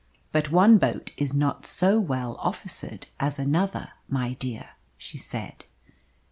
"But one boat is not so well officered as another, my dear!" she said.